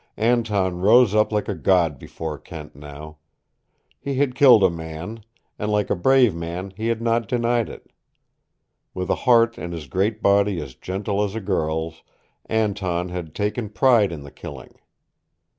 Anton rose up like a god before Kent now. He had killed a man, and like a brave man he had not denied it. With a heart in his great body as gentle as a girl's, Anton had taken pride in the killing.